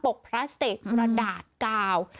กพลาสติกกระดาษกาว